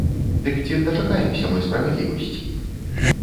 Дык ці дачакаемся мы справядлівасці?